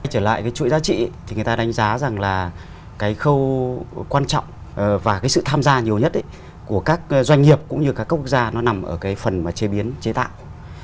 quay trở lại cái chuỗi giá trị thì người ta đánh giá rằng là cái khâu quan trọng và cái sự tham gia nhiều nhất của các doanh nghiệp cũng như các quốc gia nó nằm ở cái phần mà chế biến chế tạo